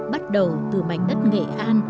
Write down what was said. bắt đầu từ mảnh đất nghệ an